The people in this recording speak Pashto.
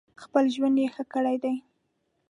خپل ژوند یې ښه کړی دی.